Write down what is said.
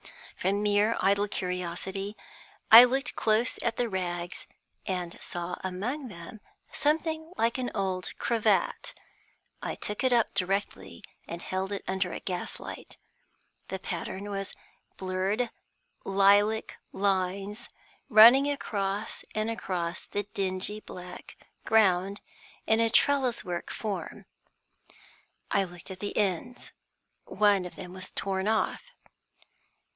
From mere idle curiosity, I looked close at the rags, and saw among them something like an old cravat. I took it up directly and held it under a gaslight. The pattern was blurred lilac lines running across and across the dingy black ground in a trellis work form. I looked at the ends: one of them was torn off.